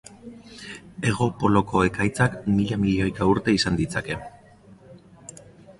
Hego poloko ekaitzak mila milioika urte izan ditzake.